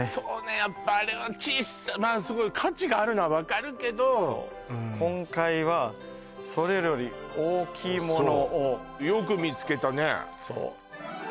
やっぱあれはちっさまあすごい価値があるのはわかるけど今回はそれより大きいものをあっそうよく見つけたね